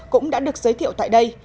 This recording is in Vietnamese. cũng đã được giới thiệu tại đây